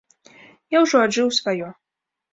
Я ўжо аджыў сваё.